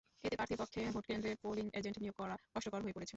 এতে প্রার্থীর পক্ষে ভোটকেন্দ্রে পোলিং এজেন্ট নিয়োগ করা কষ্টকর হয়ে পড়েছে।